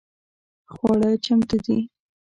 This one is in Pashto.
خواړه چمتو دي؟